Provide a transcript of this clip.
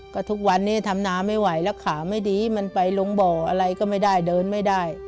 ก็ทุกวันนี้ทำนาไม่ไหวแล้วขาไม่ดีมันไปลงบ่ออะไรก็ไม่ได้เดินไม่ได้